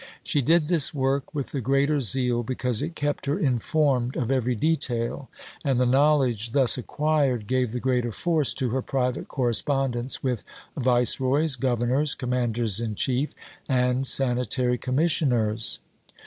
She did this work with the greater zeal because it kept her informed of every detail; and the knowledge thus acquired gave the greater force to her private correspondence with Viceroys, Governors, Commanders in Chief, and Sanitary Commissioners.